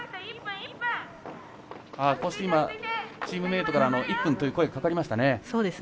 チームメートから１分と声がかかりましたね。